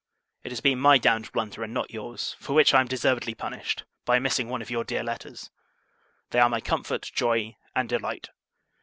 It has been my damned blunder, and not your's; for which I am deservedly punished, by missing one of your dear letters. They are my comfort, joy, and delight.